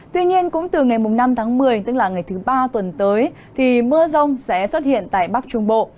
tuy nhiên cũng từ ngày năm tháng một mươi tức là ngày thứ ba tuần tới thì mưa rông sẽ xuất hiện tại bắc trung bộ